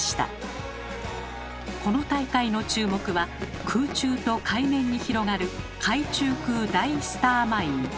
この大会の注目は空中と海面に広がる「海中空大スターマイン」。